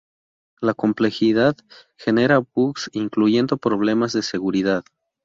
La complejidad genera bugs, incluyendo problemas de seguridad.